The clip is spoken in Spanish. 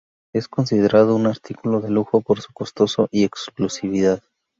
Es considerado un artículo de lujo por su costo y exclusividad.